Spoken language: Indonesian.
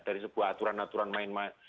dari sebuah aturan aturan main main